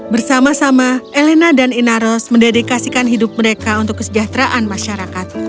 bersama sama elena dan inaros mendedikasikan hidup mereka untuk kesejahteraan masyarakat